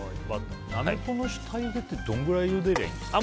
ナメコの下ゆでってどれだけゆでればいいんですか？